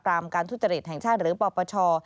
มการทุจริตแห่งชาติหรือปปช